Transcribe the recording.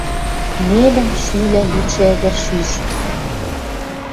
Нелӹн шӱлӓ лӱдшӹ ӹдӹр шӱш.